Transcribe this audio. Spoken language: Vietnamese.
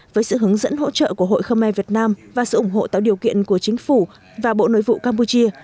với sự hướng dẫn hỗ trợ của hội khơ me việt nam và sự ủng hộ tạo điều kiện của chính phủ và bộ nội vụ campuchia